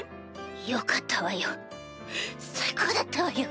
よかったわよ最高だったわよ。